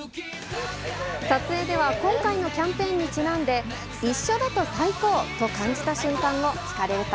撮影では今回のキャンペーンにちなんで、いっしょだと最高！と感じた瞬間を聞かれると。